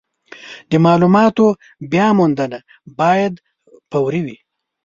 د مالوماتو بیاموندنه باید فوري وي.